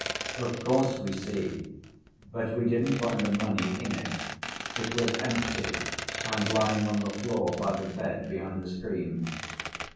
"Of course, we see. But we didn't find the money in it. It was empty, and lying on the floor by the bed, behind the screen."